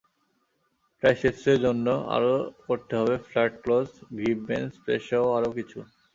ট্রাইসেপের জন্য আরও করতে হবে ফ্লাট ক্লোজ গ্রিপ বেঞ্চ প্রেসসহ আরও কিছু।